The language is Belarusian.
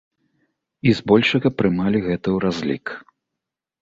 І збольшага прымалі гэта ў разлік.